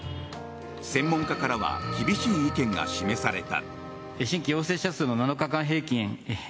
専門家からは厳しい意見が示された。